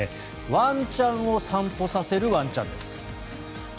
ワンちゃんを散歩させるワンちゃんです。